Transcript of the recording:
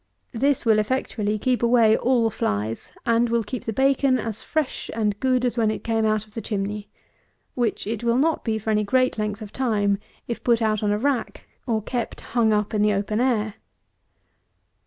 This will effectually keep away all flies; and will keep the bacon as fresh and good as when it came out of the chimney, which it will not be for any great length of time, if put on a rack, or kept hung up in the open air.